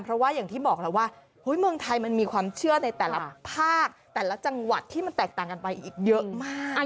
เพราะว่าอย่างที่บอกแล้วว่าเมืองไทยมันมีความเชื่อในแต่ละภาคแต่ละจังหวัดที่มันแตกต่างกันไปอีกเยอะมาก